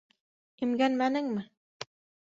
Имгәнмәнеңме?